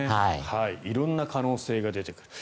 色んな可能性が出てくる。